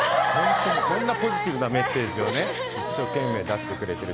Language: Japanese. こんなポジティブなメッセージをね、一生懸命出してくれてる。